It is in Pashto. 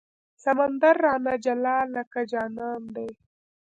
سمندر رانه جلا لکه جانان دی